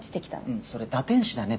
うんそれ堕天使だね